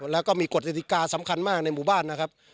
แล้วก็มีกฎกฎิกาสำคัญมากในหมู่บ้านนะครับ